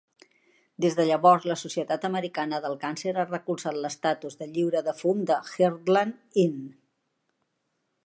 Des de llavors, la Societat Americana de el Càncer ha recolzat l'estatus de lliure de fum de Heartland Inn.